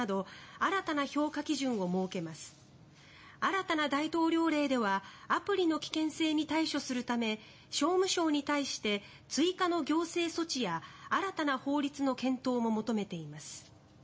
新たな大統領令ではアプリの危険性に対処するため商務省に対して追加の行政措置や新たな法律の検討も求めています。